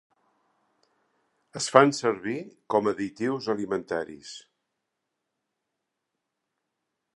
Es fan servir com additius alimentaris.